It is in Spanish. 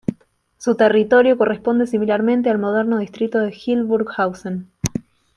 Su territorio corresponde similarmente al moderno distrito de Hildburghausen.